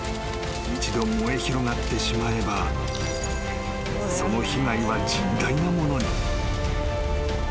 一度燃え広がってしまえばその被害は甚大なものに］